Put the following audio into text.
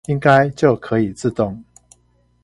應該就可以自動